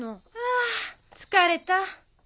あ疲れた！